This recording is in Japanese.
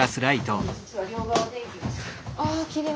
ああきれい。